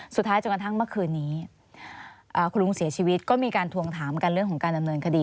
สุดท้ายจนกระทั่งเมื่อคืนนี้คุณลุงเสียชีวิตก็มีการทวงถามกันเรื่องของการดำเนินคดี